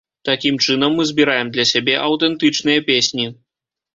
Такім чынам мы збіраем для сябе аўтэнтычныя песні.